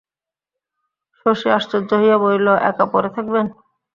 শশী আশ্চর্য হইয়া বলিল, একা পড়ে থাকবেন?